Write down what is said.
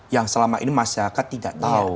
yang selama ini masyarakat tidak tahu